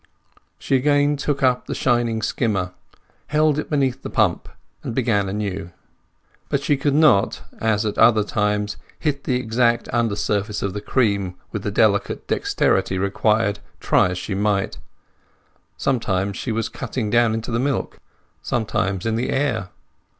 She again took up the shining skimmer, held it beneath the pump, and began anew. But she could not, as at other times, hit the exact under surface of the cream with the delicate dexterity required, try as she might; sometimes she was cutting down into the milk, sometimes in the air.